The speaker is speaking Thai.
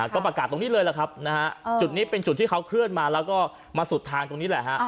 ก็ประกาศตรงนี้เลยล่ะครับนะฮะจุดนี้เป็นจุดที่เขาเคลื่อนมาแล้วก็มาสุดทางตรงนี้แหละฮะ